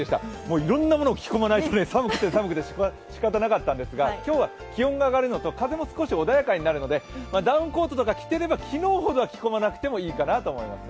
いろんなものを着込まないと寒くて寒くて仕方なかったんですが今日は気温が上がるのと、風も少し穏やかになるので、ダウンコートとか着てれば昨日ほどは着込まなくてもいいかなと思いますね。